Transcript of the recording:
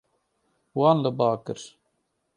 Wan li ba kir.